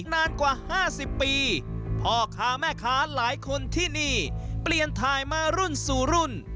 นานกว่า๕๐ปีพ่อค้าแม่ค้าหลายคนที่นี่เปลี่ยนถ่ายมารุ่นสู่รุ่น